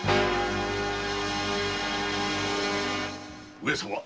上様！